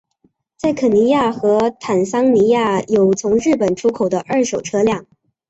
在肯尼亚和坦桑尼亚有从日本出口的二手车辆。